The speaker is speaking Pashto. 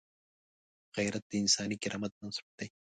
غیرت د انساني کرامت بنسټ دی